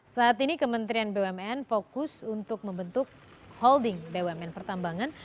saat ini kementerian bumn fokus untuk membentuk holding bumn pertambangan